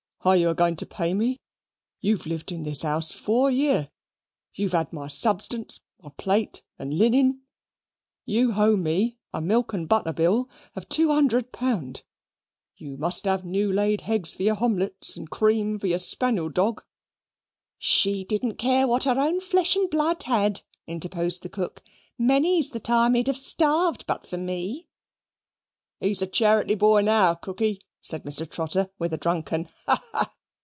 "Har you a goin' to pay me? You've lived in this 'ouse four year. You've 'ad my substance: my plate and linning. You ho me a milk and butter bill of two 'undred pound, you must 'ave noo laid heggs for your homlets, and cream for your spanil dog." "She didn't care what her own flesh and blood had," interposed the cook. "Many's the time, he'd have starved but for me." "He's a charaty boy now, Cooky," said Mr. Trotter, with a drunken "ha! ha!"